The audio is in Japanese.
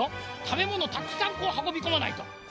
たべものたくさんこうはこびこまないと。